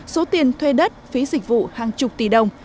số tiền thuê đất phí dịch vụ hàng chục tỷ đồng